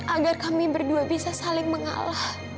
agar kami berdua bisa saling mengalah